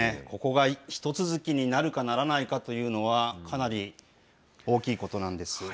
ここが一続きになるかならないかというのは、かなり大きいことなんです。